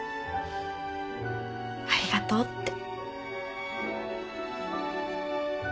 「ありがとう」って。